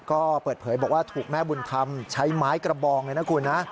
ก็เปิดเผยบอกว่าถูกแม่บุญธรรมใช้ไม้กระบองเลยนะคุณนะ